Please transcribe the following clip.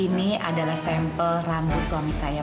ini adalah sampel rambut suami saya